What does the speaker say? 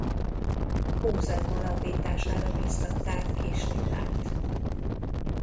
Múzeum alapítására biztatták Kiss Gyulát.